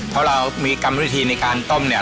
เพราะเรามีกรรมวิธีในการต้มเนี่ย